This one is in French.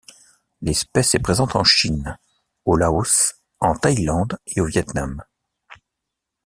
L'espèce est présente en Chine, au Laos, en Thaïlande, et au Viêt Nam.